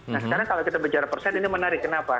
nah sekarang kalau kita bicara persen ini menarik kenapa